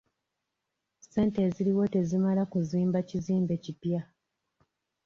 Ssente eziriwo tezimala kuzimba kizimbe kipya.